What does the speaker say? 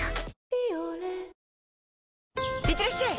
「ビオレ」いってらっしゃい！